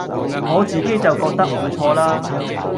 我自己就覺得唔錯啦